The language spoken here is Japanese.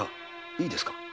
いいですか。